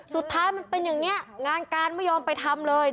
สุดท้ายมันเป็นอย่างนี้งานการไม่ยอมไปทำเลย